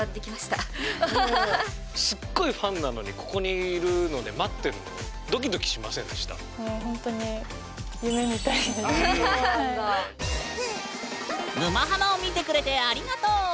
すっごいファンなのにここにいるので待ってるのもうほんとに「沼ハマ」を見てくれてありがとう！